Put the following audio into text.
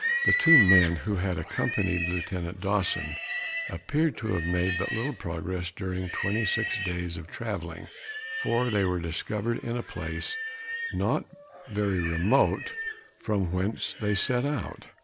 The two men who had accompanied Lieutenant Dawson, appeared to have made but little progress during twenty six days of travelling, for they were discovered in a place not very remote from whence they set out.